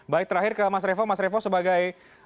baik terakhir ke mas revo mas revo sebagai